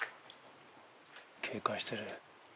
警戒してる。